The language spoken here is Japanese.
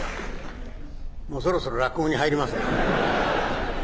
もうそろそろ落語に入りますが。